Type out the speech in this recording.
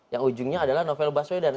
yang ujungnya adalah novel baswedan